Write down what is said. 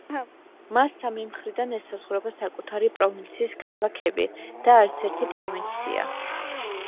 მას სამი მხრიდან ესაზღვრება საკუთარი პროვინციის ქალაქები და არც ერთი პროვინცია.